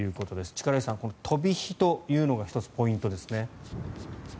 力石さん、この飛び火というのが１つポイントですね。